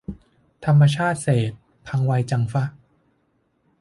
ทำมาชาติเศษ พังไวจังฟะ